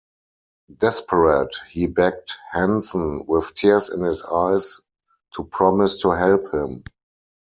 Desperate, he begged Henson, with tears in his eyes, to promise to help him.